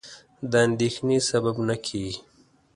د اندېښنې سبب نه کېږي.